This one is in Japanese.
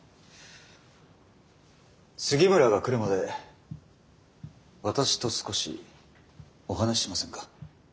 杉村が来るまで私と少しお話ししませんか？